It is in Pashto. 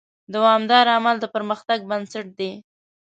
دوامداره عمل د پرمختګ بنسټ دی.